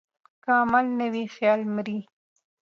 که عمل نه وي، خیال مري.